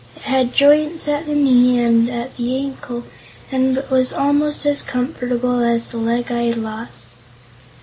It had joints at the knee and at the ankle and was almost as comfortable as the leg I had lost."